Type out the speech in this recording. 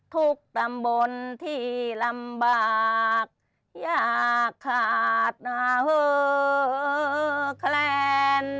ตำบลที่ลำบากอยากขาดแคลน